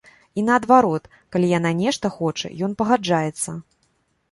І наадварот, калі яна нешта хоча, ён пагаджаецца.